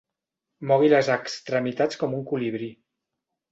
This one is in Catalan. Mogui les extremitats com un colibrí.